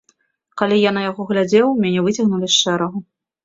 Калі я на яго глядзеў, мяне выцягнулі з шэрагу.